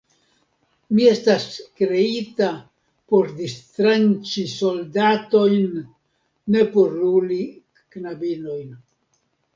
Mi estas kreita por distranĉi soldatojn, ne por luli knabinojn.